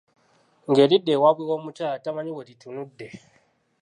Ng’eridda ewaabwe w’omukyala tamanyi gye litunudde !